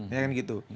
ya kan gitu